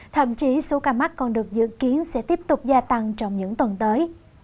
thậm chí số ca mắc còn được dự kiến sẽ tiếp tục gia tăng trong những tuần tới